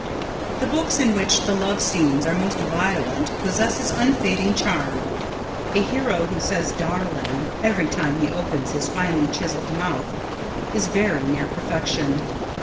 The books in which the love scenes are most violent possess unfading charm. A hero who says "darling" every time he opens his finely chiselled mouth is very near perfection.